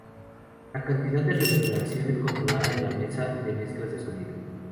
La cantidad de reverberación es controlada en la mesa de mezclas de sonido.